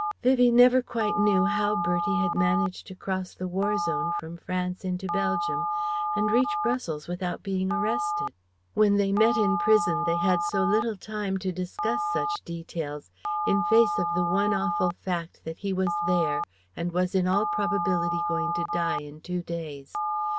Vivie never quite knew how Bertie had managed to cross the War zone from France into Belgium, and reach Brussels without being arrested. When they met in prison they had so little time to discuss such details, in face of the one awful fact that he was there, and was in all probability going to die in two days.